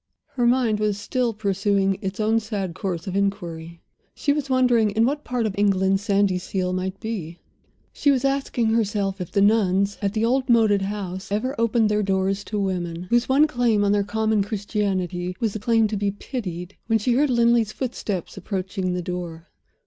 Her mind was still pursuing its own sad course of inquiry; she was wondering in what part of England Sandyseal might be; she was asking herself if the Nuns at the old moated house ever opened their doors to women, whose one claim on their common Christianity was the claim to be pitied when she heard Linley's footsteps approaching the door.